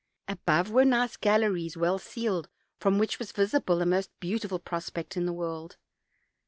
Above were nice galleries, well ceiled, from which was visible the most beautiful prospect in the world.